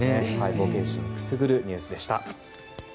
冒険心をくすぐるニュースでした。